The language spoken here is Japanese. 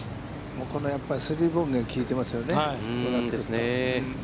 この３ボギーが効いてますよね。